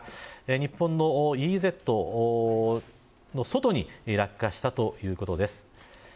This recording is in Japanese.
日本のＥＥＺの外に落下したということです。